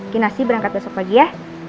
kinasi berangkat besok pagi ya